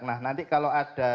nah nanti kalau ada